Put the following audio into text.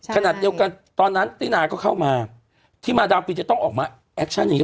คันด้วยกันตอนนั้นติ๊นาก็เข้ามาที่มาดาวฟินจะต้องออกมาแอหนชั่นนี้